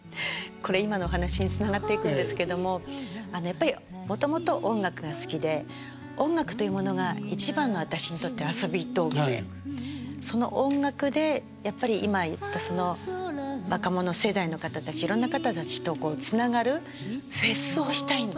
これ今のお話につながっていくんですけどもやっぱりもともと音楽が好きで音楽というものが一番の私にとって遊び道具でその音楽でやっぱり今言った若者世代の方たちいろんな方たちとつながるフェスをしたいんです。